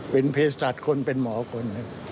เป็นเพชดคนเป็นหมอกคน